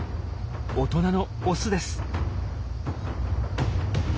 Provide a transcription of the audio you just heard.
大人のオスです。